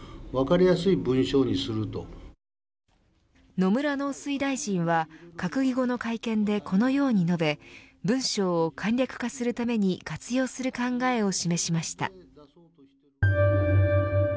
野村農水大臣は閣議後の会見で、このように述べ文章を簡略化するために活用する考えを示しました。